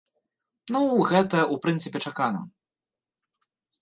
Ну, гэта, у прынцыпе, чакана.